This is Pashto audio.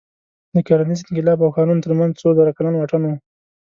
د کرنیز انقلاب او ښارونو تر منځ څو زره کلن واټن و.